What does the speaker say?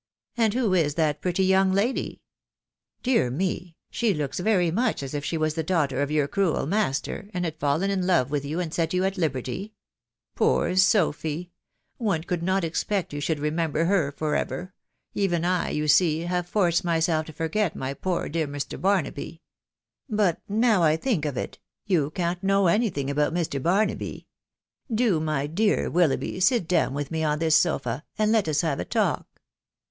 ••. And who is that pretty young lady ?.... Dear me, she looks very much as if she was the daughter of your cruel master, and had fallen in love with you, and set you at liberty .... Poor Sophy !•.•• one could not expect you should remember her for ever .... even I, you see, have forced myself to forget my poor dear Mr. Barnaby. ... But now I think of it, you can't know any thing about Mr. Bar naby. ••• Do, my dear Willoughby, sit down with me on tins sofa, and let us have a talk."